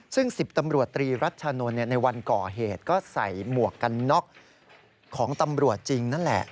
ซึ่ง๑๐ตำรวจตรีรัชชานนท์ในวันก่อเหตุก็ใส่หมวกกันน็อกของตำรวจจริงนั่นแหละ